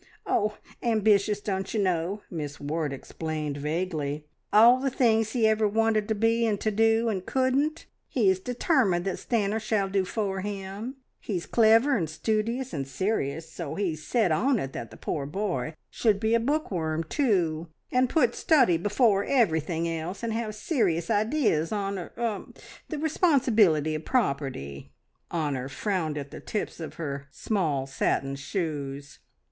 "Oh! Ambitious, don't you know," Miss Ward explained vaguely. "All the things he ever wanted to be and to do, and couldn't, he is determined that Stanor shall do for him. He is clever, and studious, and serious, so he is set on it that the poor boy should be a book worm, too, and put study before everything else, and have serious ideas on er er the responsibility of property." Honor frowned at the tips of her small satin shoes.